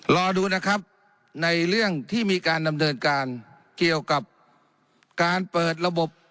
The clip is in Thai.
รอดูนะครับในเรื่องที่มีการดำเนินการเกี่ยวกับการเปิดระบบ